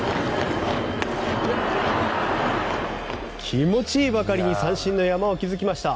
気持ちいいばかりに三振の山を築きました。